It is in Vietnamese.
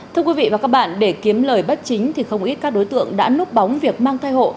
thưa quý vị và các bạn để kiếm lời bất chính thì không ít các đối tượng đã núp bóng việc mang thai hộ